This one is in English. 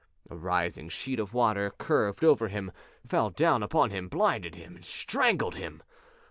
A rising sheet of water curved over him, fell down upon him, blinded him, strangled him!